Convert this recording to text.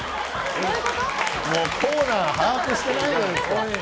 コーナーを把握してないじゃないですか。